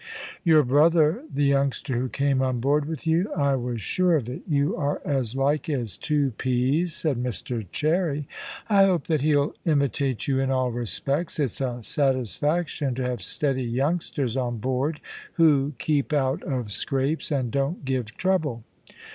"Your brother, the youngster who came on board with you. I was sure of it; you are as like as two peas," said Mr Cherry. "I hope that he'll imitate you in all respects. It's a satisfaction to have steady youngsters on board who keep out of scrapes and don't give trouble."